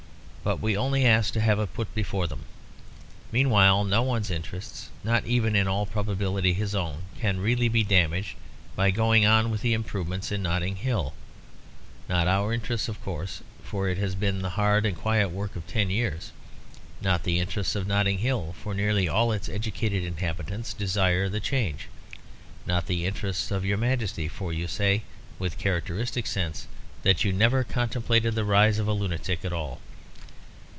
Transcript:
But we only ask to have it put before them. Meanwhile no one's interests, not even in all probability his own, can be really damaged by going on with the improvements in Notting Hill. Not our interests, of course, for it has been the hard and quiet work of ten years. Not the interests of Notting Hill, for nearly all its educated inhabitants desire the change. Not the interests of your Majesty, for you say, with characteristic sense, that you never contemplated the rise of the lunatic at all.